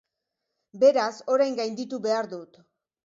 Beraz, orain gainditu behar dut.